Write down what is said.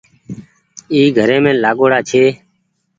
اي گھريم لآگآئو ڙآ ڇي